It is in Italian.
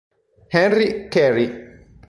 Henry Carey